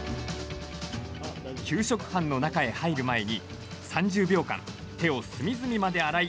給食班の中へ入る前に３０秒間、手を隅々まで洗い